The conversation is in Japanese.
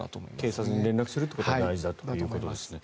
警察に連絡することが大事だということですね。